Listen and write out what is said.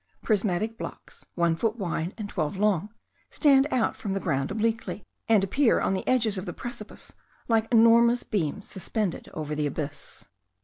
Prismatic blocks, one foot wide and twelve long, stand out from the ground obliquely, and appear on the edges of the precipice like enormous beams suspended over the abyss.